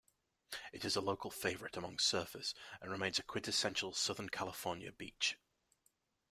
It is a local favorite among surfers and remains a quintessential Southern California beach.